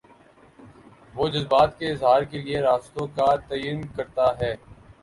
وہ جذبات کے اظہار کے لیے راستوں کا تعین کرتا ہے۔